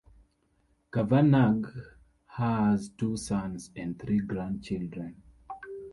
Kavanagh has two sons and three grandchildren.